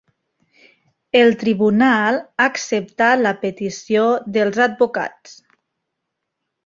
El tribunal ha acceptat la petició dels advocats.